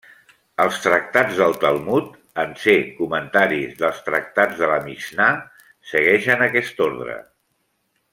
Els tractats del Talmud, en ser comentaris dels tractats de la Mixnà, segueixen aquest ordre.